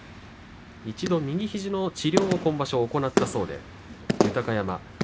一度、右肘の治療を行ったそうで豊山